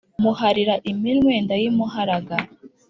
muharira iminwe ndayimuharaga,